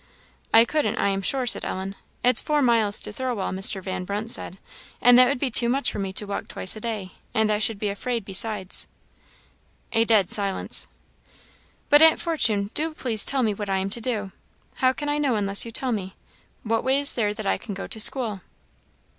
"I couldn't, I am sure," said Ellen. "It's four miles to Thirlwall, Mr. Van Brunt said; and that would be too much for me to walk twice a day; and I should be afraid besides." A dead silence. "But Aunt Fortune, do please tell me what I am to do. How can I know unless you tell me? What way is there that I can go to school?"